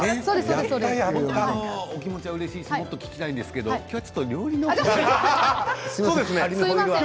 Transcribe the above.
お気持ちはうれしいしもっと聞きたいんですけれども今日は料理の話で。